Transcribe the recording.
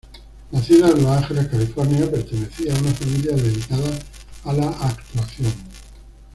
Nacida en Los Ángeles, California, pertenecía a una familia dedicada a la actuación.